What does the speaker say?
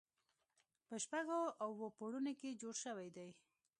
په شپږو اوو پوړونو کې جوړ شوی دی.